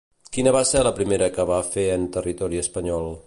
Quina va ser la primera que va fer en territori espanyol?